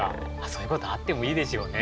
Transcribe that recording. そういうことあってもいいですよね。